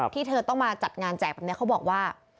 ที่เธอต้องมาจัดงานแจกแบบนี้เขาบอกว่า